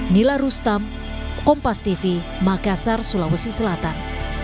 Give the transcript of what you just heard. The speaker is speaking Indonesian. nila rustam kompas tv makassar sulawesi selatan